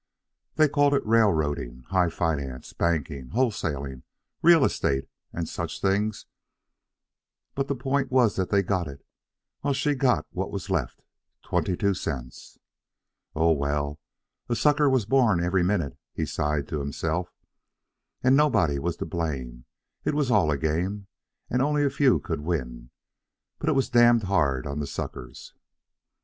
They called it railroading, high finance, banking, wholesaling, real estate, and such things, but the point was that they got it, while she got what was left, twenty two cents. Oh, well, a sucker was born every minute, he sighed to himself, and nobody was to blame; it was all a game, and only a few could win, but it was damned hard on the suckers.